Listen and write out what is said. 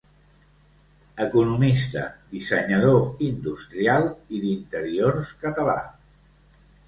Economista, dissenyador industrial i d'interiors català.